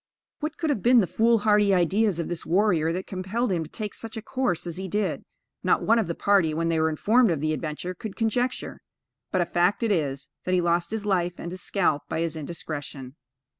What could have been the foolhardy ideas of this warrior that compelled him to take such a course as he did, not one of the party, when they were informed of the adventure, could conjecture; but, a fact it is, that he lost his life and his scalp by his indiscretion.